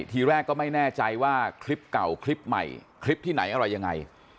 ทีแรกก็ไม่แน่ใจว่าคลิปเก่าคลิปใหม่คลิปที่ไหนอะไรยังไง